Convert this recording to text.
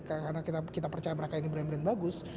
karena kita percaya mereka ini bener bener bagus